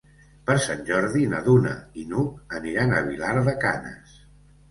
Per Sant Jordi na Duna i n'Hug aniran a Vilar de Canes.